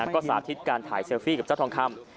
ก็สาธิตการถ่ายเซลฟี่กับเจ้าทองคำ